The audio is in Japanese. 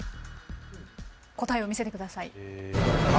答えを見せてください。